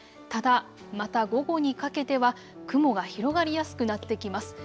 ただ、また午後にかけては雲が広がりやすくなってきます。